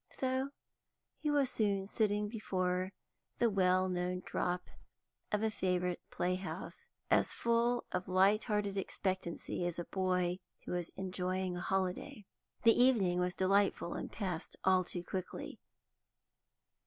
So he was soon sitting before the well known drop of a favourite play house, as full of light hearted expectancy as a boy who is enjoying a holiday. The evening was delightful, and passed all too quickly.